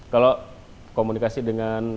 kalau komunikasi dengan